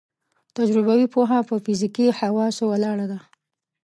تجربوي پوهه په فزیکي حواسو ولاړه ده.